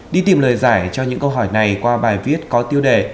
đi tìm lời giải cho những câu hỏi này qua bài viết có tiêu đề